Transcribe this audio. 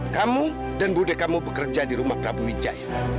kamu dan bude kamu bekerja di rumah prabu wijaya